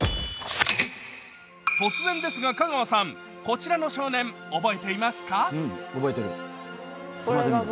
突然ですが、香川さん、こちらの少年、覚えていますか？